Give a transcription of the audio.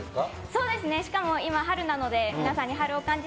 そうですね。